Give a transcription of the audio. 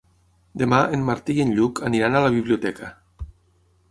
Demà en Martí i en Lluc aniran a la biblioteca.